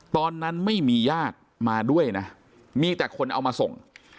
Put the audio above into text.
ตอนนั้นไม่มีญาติมาด้วยนะมีแต่คนเอามาส่ง